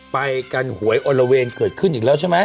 ไปกันหวยอลละเวงเกิดขึ้นอีกแล้วใช่ไหม